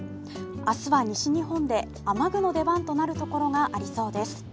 明日は西日本で雨具の出番となるところがありそうです。